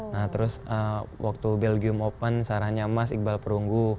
nah terus waktu belgium open sarahnya emas iqbal perunggu